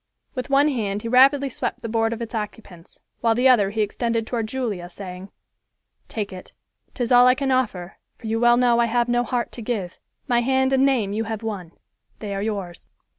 With one hand he rapidly swept the board of its occupants, while the other he extended toward Julia, saying: "Take it. 'Tis all I can offer, for you well know I have no heart to give. My hand and name you have won—they are yours."